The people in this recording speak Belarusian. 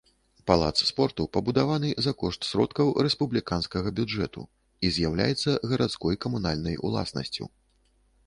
Палац спорту пабудаваны за кошт сродкаў рэспубліканскага бюджэту і з'яўляецца гарадской камунальнай уласнасцю.